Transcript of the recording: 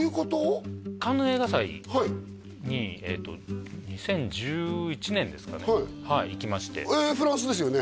カンヌ映画祭に２０１１年ですかね行きましてフランスですよね？